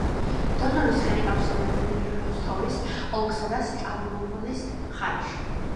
დონური ცხენი გავრცელებული როსტოვის ოლქსა და სტავროპოლის მხარეში.